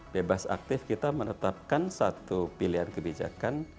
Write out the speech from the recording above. bebas aktif kita menetapkan satu pilihan kebijakan